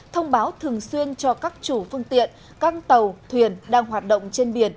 thông báo thường xuyên cho các chủ phương tiện các tàu thuyền đang hoạt động trên biển